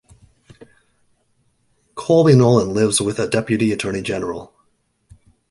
Colby Nolan lives with a deputy attorney general.